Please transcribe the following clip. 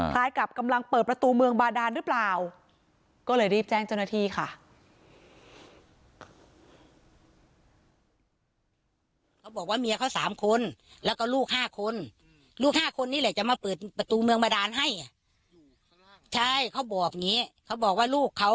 คล้ายกับกำลังเปิดประตูเมืองบาดานหรือเปล่า